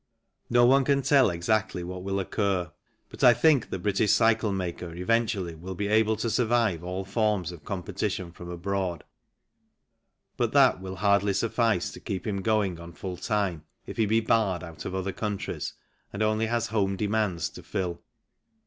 No one can tell exactly what will occur, but I think the British cycle maker eventually will be able to survive all forms of competition from abroad, but that will hardly suffice to keep him going on full time if he be barred out of other countries and only has home demands to fill.